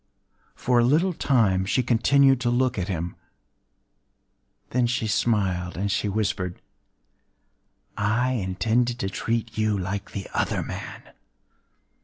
For a little time she continued to look at him;—then she smiled, and she whispered:—“I intended to treat you like the other man.